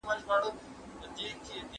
املا د زده کوونکو پر ځان پوهاوي کچه لوړوي.